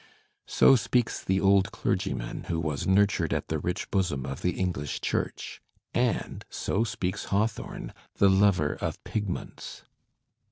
'" So speaks the old clergyman who was "nurtured at the rich bosom of the English church." And so speaks Haw thorne, the lover of pigments.